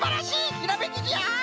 ひらめきじゃ！